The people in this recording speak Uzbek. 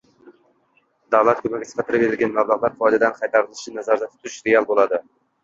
davlat ko‘magi sifatida berilgan mablag‘lar foydadan qaytarilishini nazarda tutish real bo‘ladi.